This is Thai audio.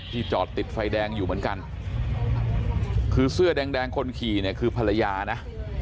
จอดติดไฟแดงอยู่เหมือนกันคือเสื้อแดงคนขี่เนี่ยคือภรรยานะ